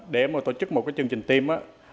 để tổ chức một chương trình team